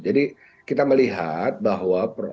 jadi kita melihat bahwa